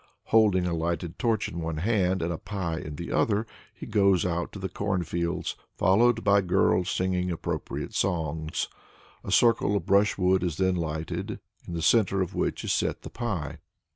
Holding a lighted torch in one hand and a pie in the other, he goes out to the cornfields, followed by girls singing appropriate songs. A circle of brushwood is then lighted, in the centre of which is set the pie.